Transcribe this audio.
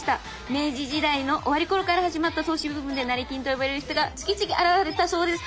明治時代の終わり頃から始まった投資ブームで成金と呼ばれる人が次々現れたそうです。